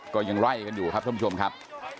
ก็ยังไล่กันอยู่ครับท่านผู้ชมครับ